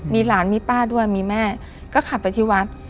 มีหลานมีป้าด้วยมีแม่ก็ขับไปที่วัด